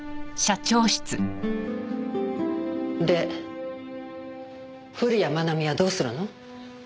で古谷愛美はどうするの？